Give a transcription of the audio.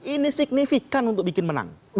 ini signifikan untuk bikin menang